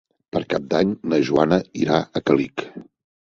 Per Cap d'Any na Joana irà a Càlig.